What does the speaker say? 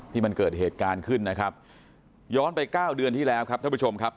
ที่มันเกิดเหตุการณ์ขึ้นนะครับย้อนไปเก้าเดือนที่แล้วครับท่านผู้ชมครับ